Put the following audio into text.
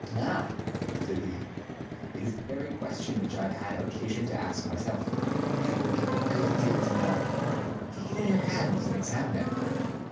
ŌĆØ ŌĆ£Ah! ŌĆØ said he, ŌĆ£it is the very question which I have had occasion to ask myself. I would give a good deal to know. Take it in your hands and examine it.